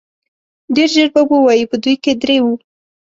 ډېر ژر به ووايي په دوی کې درې وو.